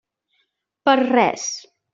Per res.